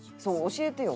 教えてよ。